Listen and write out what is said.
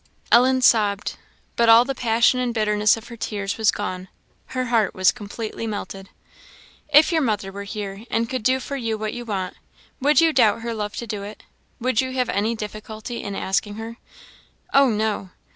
Ellen sobbed, but all the passion and bitterness of her tears was gone. Her heart was completely melted. "If your mother were here, and could do for you what you want, would you doubt her love to do it? would you have any difficulty in asking her?" "Oh no!"